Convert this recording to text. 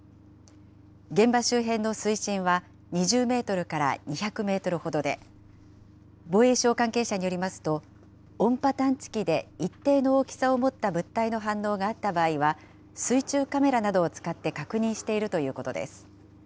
現場周辺の水深は２０メートルから２００メートルほどで、防衛省関係者によりますと、音波探知機で一定の大きさを持った物体の反応があった場合は、水中カメラなどを使って確認しているということです。